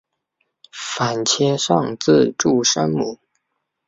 反切上字注声母。